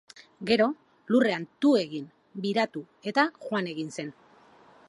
Gero, lurrean tu egin, biratu, eta joan egin zen.